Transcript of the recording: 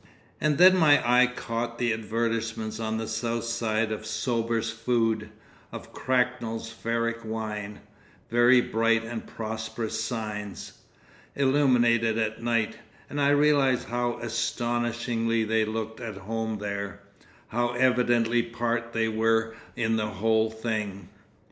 And then my eye caught the advertisements on the south side of "Sorber's Food," of "Cracknell's Ferric Wine," very bright and prosperous signs, illuminated at night, and I realised how astonishingly they looked at home there, how evidently part they were in the whole thing.